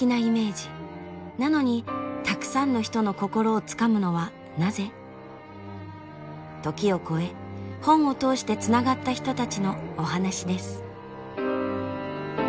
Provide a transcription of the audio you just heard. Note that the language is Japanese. なのにたくさんの人の心をつかむのはなぜ？時を超え本を通してつながった人たちのお話です。